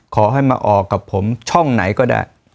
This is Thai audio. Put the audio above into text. ขอให้มาออกกับผมช่องไหนก็ได้